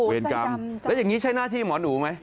เวรกรรมแล้วอย่างนี้ใช้หน้าที่หมอหนูไหม